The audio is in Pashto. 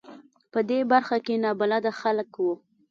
په دې برخه کې نابلده خلک و.